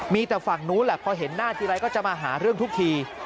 มีแต่ฝั่งนู้นแหละพอเห็นหน้าทีไรก็จะมาหาเรื่องทุกที